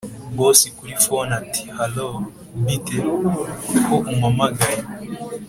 boss kuri phone ati”hallo bite ko umpamagaye?”